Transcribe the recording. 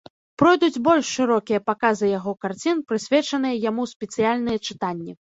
Пройдуць больш шырокія паказы яго карцін, прысвечаныя яму спецыяльныя чытанні.